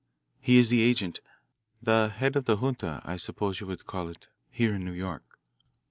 He is the agent the head of the junta, I suppose you would call it here in New York."